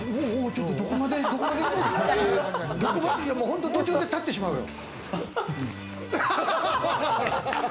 ちょっと途中で立ってしまうよ。